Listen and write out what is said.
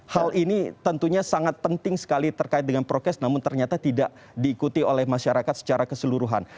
hal ini tentunya sangat penting sekali terkait dengan prokes namun ternyata tidak diikuti oleh masyarakat secara keseluruhan